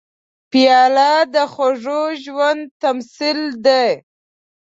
پیاله د خوږ ژوند تمثیل دی.